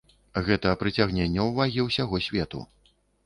Гэта прыцягненне ўвагі ўсяго свету.